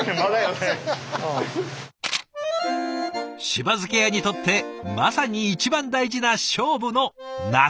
しば漬け屋にとってまさに一番大事な勝負の夏。